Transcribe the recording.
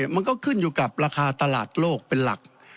มันก็ขึ้นอยู่กับราคาตลาดโลกเป็นหลัก